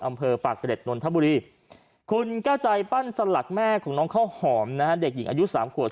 อำเภอปากกระเด็ดนนทบุรีคุณก้าวใจปั้นสลักแม่ของน้องเขาหอมนะเด็กหญิงอายุ๓ขวด